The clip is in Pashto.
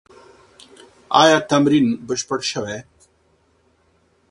ایا تمرین بشپړ سوی؟